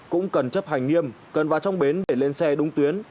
cũng cần chấp hành nghiêm cần vào trong bến để lên xe đúng tuyến